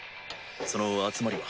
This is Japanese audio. その集まりは。